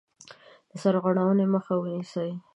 د سرغړونکو مخه ونیسي.